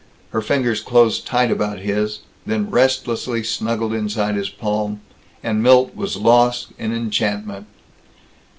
Her fingers closed tight about his, then restlessly snuggled inside his palm and Milt was lost in enchantment.